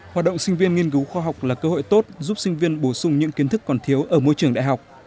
hoạt động sinh viên nghiên cứu khoa học là cơ hội tốt giúp sinh viên bổ sung những kiến thức còn thiếu ở môi trường đại học